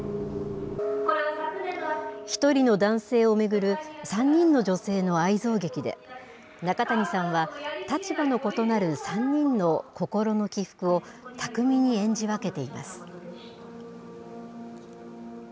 １人の男性を巡る３人の女性の愛憎劇で、中谷さんは、立場の異なる３人の心の起伏を巧みに演じ分けています。